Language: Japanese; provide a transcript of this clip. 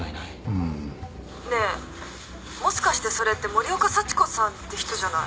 うん。ねえもしかしてそれって森岡幸子さんって人じゃない？